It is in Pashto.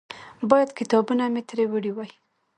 باید کتابونه مې ترې وړي وای.